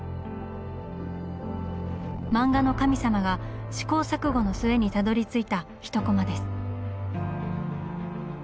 「漫画の神様」が試行錯誤の末にたどりついた一コマです。